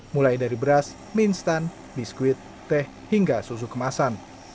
mulai dari beras minstan biskuit teh hingga susu kemasan